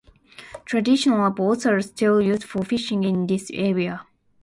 Traditional boats are still used for fishing in this area.